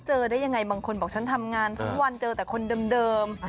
ได้ยังไงบางคนบอกฉันทำงานทั้งวันเจอแต่คนเดิม